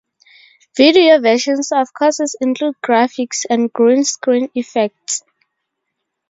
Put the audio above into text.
Video versions of courses include graphics and green screen effects.